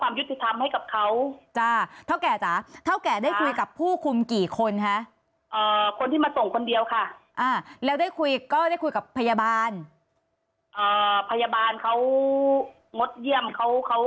มีผู้ใหญ่บางท่านที่เขาเมตตาแล้วเขาสงสารเรา